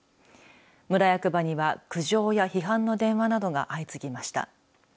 村役場には苦情や批判の電話などが相次ぎました。